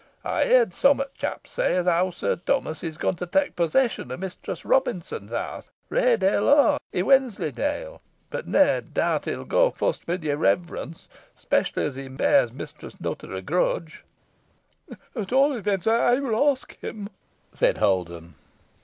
Ey heerd sum o' t' chaps say os ow Sir Tummus is goin' to tak' possession o' Mistress Robinson's house, Raydale Ha', i' Wensley Dale, boh nah doubt he'n go furst wi' yer rev'rence, 'specially as he bears Mistress Nutter a grudge." "At all events, I will ask him," said Holden.